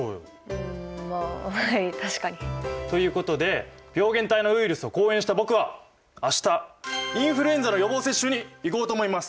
うんまあはい確かに。ということで病原体のウイルスを好演した僕は明日インフルエンザの予防接種に行こうと思います。